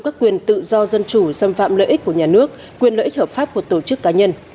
các quyền tự do dân chủ xâm phạm lợi ích của nhà nước quyền lợi ích hợp pháp của tổ chức cá nhân